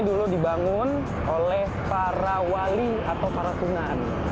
dulu dibangun oleh para wali atau para sunan